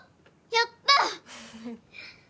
やった！